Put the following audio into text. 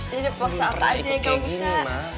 jadi pose apa aja ya kamu bisa